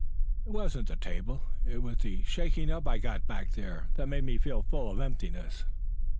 "It wasn't the table, it was the shaking up I got back there that made me feel full of emptiness."